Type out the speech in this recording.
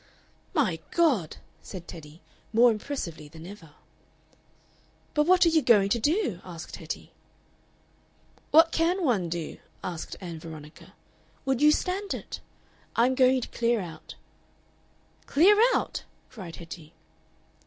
"My God!" said Teddy, more impressively than ever. "But what are you going to do?" asked Hetty. "What can one do?" asked Ann Veronica. "Would you stand it? I'm going to clear out." "Clear out?" cried Hetty.